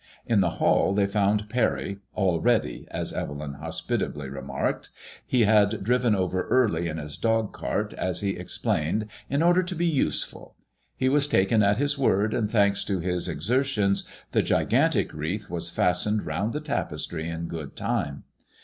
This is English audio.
In the ball they found Parry, " already," as Evelyn hospitably remarked. He had driven over early in his dogcart, as he explained, in order to be useful* He was taken at his word, and thanks to his exer tions, the gigantic wreath was fastened round the tapestry in good time.